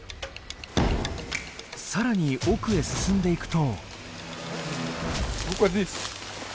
更に奥へ進んでいくと。